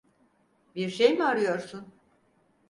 Bir şey mi arıyorsun?